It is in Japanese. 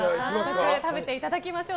早速食べていただきましょう。